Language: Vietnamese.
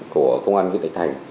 của công an huyện thạch thành